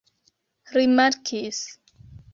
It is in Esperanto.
rimarkis